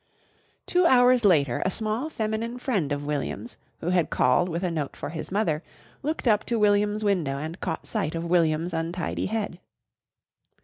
Two hours later a small feminine friend of William's who had called with a note for his mother, looked up to William's window and caught sight of William's untidy head.